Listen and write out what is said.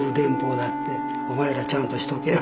「お前らちゃんとしとけよ！」